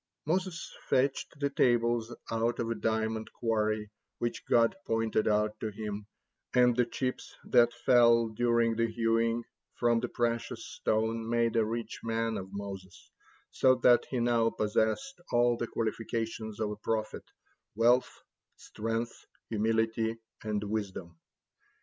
Moses fetched the tables out of a diamond quarry which God pointed out to him, and the chips that fell, during the hewing, from the precious stone made a rich man of Moses, so that he now possessed all the qualifications of a prophet wealth, strength, humility, and wisdom.